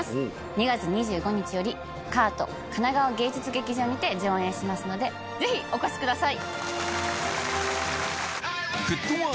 ２月２５日よりＫＡＡＴ神奈川芸術劇場にて上演しますのでぜひお越しください！